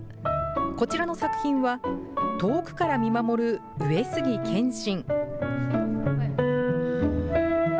こちらの作品は、遠くから見守る上杉謙信。